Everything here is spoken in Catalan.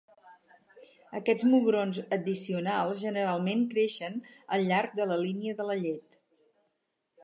Aquests mugrons addicionals generalment creixen al llarg de la línia de la llet.